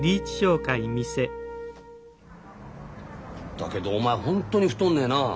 だけどお前ホントに太んねえなあ。